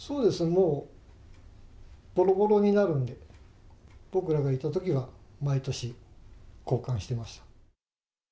もうぼろぼろになるんで、僕らがいたときは、毎年交換してました。